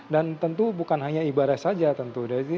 dan tentu bukan hanya ibadah saja tentu